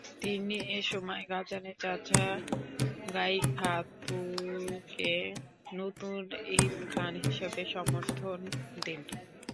তিনি এসময় গাজানের চাচা গাইখাতুকে নতুন ইলখান হিসেবে সমর্থন দেন।